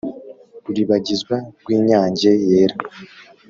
Ruribagizwa rw' inyange yera